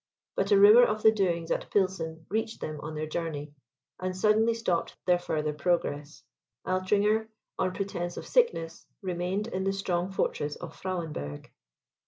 But a rumour of the doings at Pilsen reached them on their journey, and suddenly stopped their further progress. Altringer, on pretence of sickness, remained in the strong fortress of Frauenberg.